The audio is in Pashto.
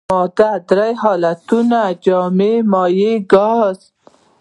د مادې درې حالتونه جامد مايع ګاز.